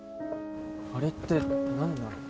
あれって何なの？